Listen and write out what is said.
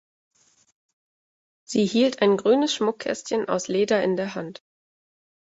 Sie hielt ein grünes Schmuckkästchen aus Leder in der Hand.